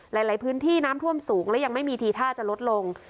หลายพื้นที่น้ำท่วมสูงและยังไม่มีทีท่าจะลดลง